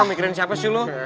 mikirin siapa sih lu